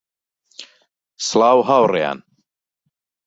سڵاو هاوڕێیان